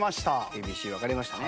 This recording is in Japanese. ＡＢＣ分かれましたね。